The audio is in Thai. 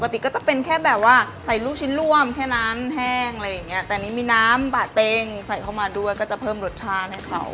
ก็จะเป็นแค่แบบว่าใส่ลูกชิ้นร่วมแค่นั้นแห้งอะไรอย่างเงี้ยแต่อันนี้มีน้ำบะเต็งใส่เข้ามาด้วยก็จะเพิ่มรสชาติให้เขา